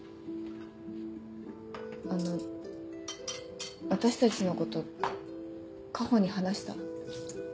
あの私たちのこと夏穂に話した。